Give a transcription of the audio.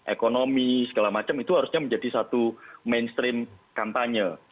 ekonomi segala macam itu harusnya menjadi satu mainstream kampanye